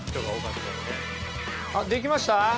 あっできました？